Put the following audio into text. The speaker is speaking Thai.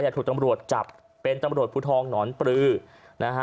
ถูกตำรวจจับเป็นตำรวจภูทรหนอนปลือนะฮะ